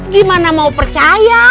gimana mau percaya